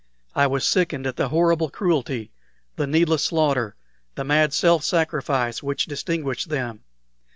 I was sickened at the horrible cruelty, the needless slaughter, the mad self sacrifice which distinguished them.